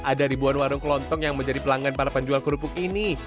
ada ribuan warung kelontong yang menjadi pelanggan para penjual kerupuk ini